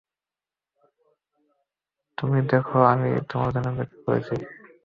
তুমি দেখো, আমি তোমার জন্য অপেক্ষা করছি।